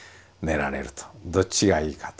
どっちがいいかと。